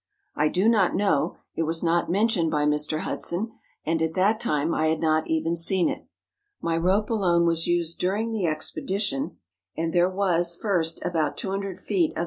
I do not know ; it was not mentioned by Mr. Hudson, and at that time I had not even seen it. My rope alone was used during the expedition, and there was, first, about 200 feet of THE MATTERHORN.